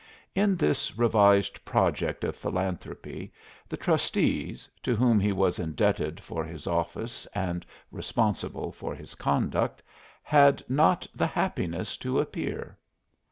In this revised project of philanthropy the trustees, to whom he was indebted for his office and responsible for his conduct, had not the happiness to appear.